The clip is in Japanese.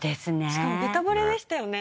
しかもベタぼれでしたよね